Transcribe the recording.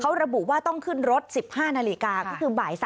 เขาระบุว่าต้องขึ้นรถ๑๕นาฬิกาก็คือบ่าย๓